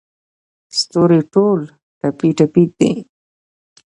ستوري ټول ټپې، ټپي دی